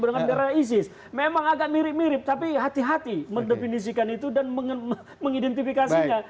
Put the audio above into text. dan dengan bendera isis memang agak mirip mirip tapi hati hati mendefinisikan itu dan mengidentifikasinya